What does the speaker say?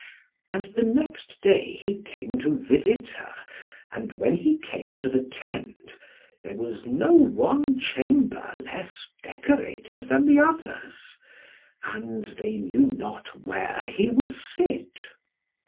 And the next day he came to visit her, and when he came into the tent, there was no one chamber less decorated than the others. And they knew not where he would sit.